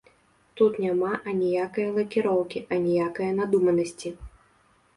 Тут няма аніякае лакіроўкі, аніякае надуманасці.